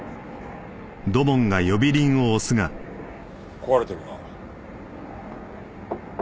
壊れてるな。